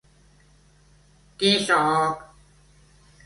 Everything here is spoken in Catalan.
Qui sóc?